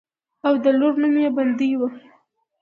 او د لور نوم يې بندۍ وۀ